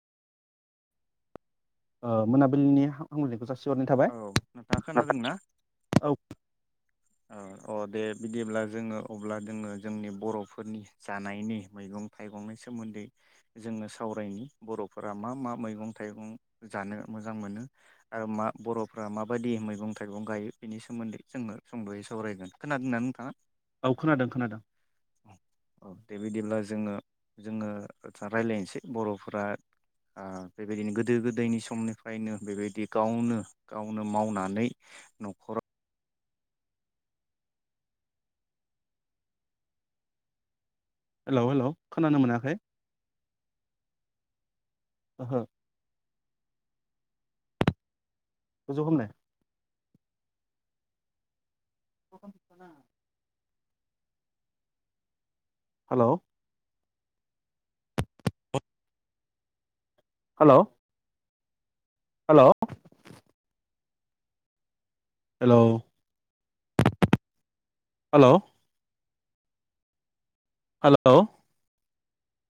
ओ मोनाबिलिनि हाम-हामलनायखौ जासि सिहरनाय थाबाय औ [unintelligible] नोंथाङा खोनादों ना? औ अ दे बिदिब्ला जोङो अब्ला जोङो जोंनि बर'फोरनि जानायनि मैगं-थाइगंनि सोमोन्दै जोङो सावरायनि बर'फोरा मा मा मैगं-थाइगं जानो मोजां मोनो आरो मा बर'फोरा माबायदि मैगं-थाइगं गायो बेनि सोमोन्दै जोङो सुंदयै सावरायगोन। खोनादोंना नोंथाङा? औ खोनादों खोनादों औ बेबायदिब्ला जोङो जोङो राय्लायनोसै बर'फोरा ओ बेबायदिनो गोदो गोदायनि समनिफ्रायनो बेबायदि गावनो गावनो मावनानै न'खराव हेल' हेल' खोनानो मोनाखै? ओहो गोजौ खामलाय [unintelligible] हेल' हेल' हेल' हेल' हेल' हेल'